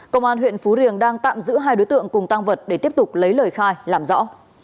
công an huyện phú riềng đang tạm giữ hai đối tượng cùng tăng vật để tiếp tục lấy lời khai làm rõ